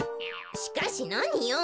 しかしなによん。